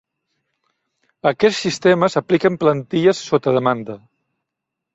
Aquests sistemes apliquen plantilles sota demanda.